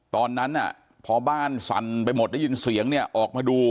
ตอนนั้นพอบ้านสั่นไปหมดได้ยินเสียงเนี่ยออกมาดู